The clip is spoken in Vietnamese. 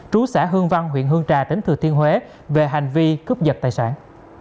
trú xã hương văn huyện hương trà tỉnh thừa thiên huế về hành vi cướp giật tài sản